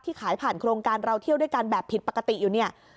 ขายผ่านโครงการเราเที่ยวด้วยกันแบบผิดปกติอยู่เนี่ย